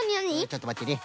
ちょっとまってね。